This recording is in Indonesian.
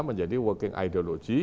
menjadi working ideology